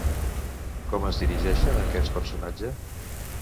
Com es dirigeixen a aquest personatge?